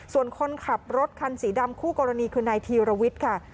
ส่วนคนขับรถคันสีดำคู่กรณีคือนายธีรวิทย์ค่ะ